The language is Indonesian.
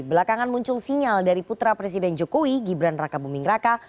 belakangan muncul sinyal dari putra presiden jokowi gibran raka buming raka